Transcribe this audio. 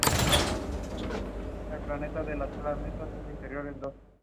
Actualmente se encuentra en el Museo de Burgos.